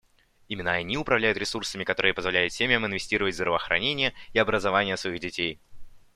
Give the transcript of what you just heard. Именно они управляют ресурсами, которые позволяют семьям инвестировать в здравоохранение и образование своих детей.